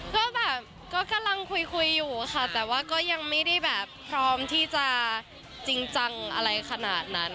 ก็แบบก็กำลังคุยคุยอยู่ค่ะแต่ว่าก็ยังไม่ได้แบบพร้อมที่จะจริงจังอะไรขนาดนั้น